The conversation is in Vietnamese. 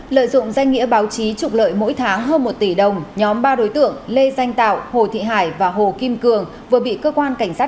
lợi dụng danh nghĩa báo chí trục lợi mỗi tháng hơn một tỷ đồng nhóm ba đối tượng lê danh tạo hồ thị hải và hồ kim cường vừa bị cơ quan cảnh sát